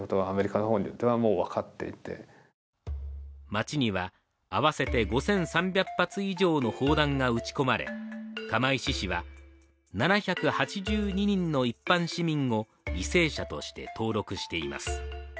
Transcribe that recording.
町には合わせて５３００発以上の砲弾が撃ち込まれ、釜石市は、７８２人の一般市民を犠牲者として登録しています。